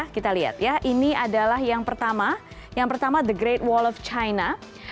kita lihat ini adalah yang pertama the great wall of china